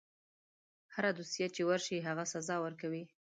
هره دوسیه چې ورشي هغه سزا ورکوي.